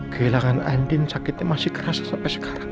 kehilangan andin sakitnya masih kerasa sampai sekarang